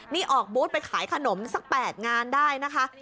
นี่ออกบูธไปขายขนมสัก๘งานได้นะคะ